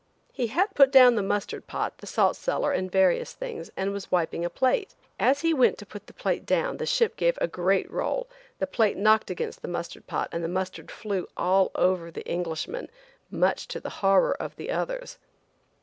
He had put down the mustard pot, the salt cellar and various things, and was wiping a plate. As he went to put the plate down the ship gave a great roll, the plate knocked against the mustard pot and the mustard flew all over the Englishman, much to the horror of the others.